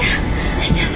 大丈夫。